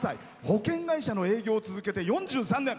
保険会社の営業を続けて４３年。